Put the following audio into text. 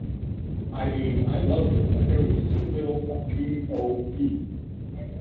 I mean, I loved it but there was too little P-O-P.